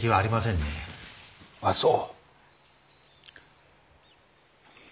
ああそう。